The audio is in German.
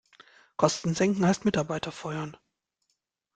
Kosten senken heißt Mitarbeiter feuern.